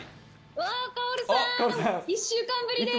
カオルさん、１週間ぶりです。